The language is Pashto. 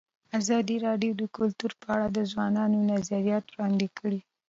ازادي راډیو د کلتور په اړه د ځوانانو نظریات وړاندې کړي.